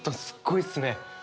すっごいっすね。